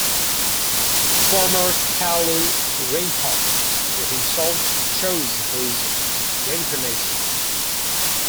Former kalu rinpoche, he himself choose his reincarnation.